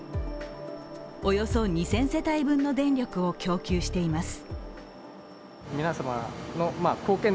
およそ２０００世帯分の電力を供給しています。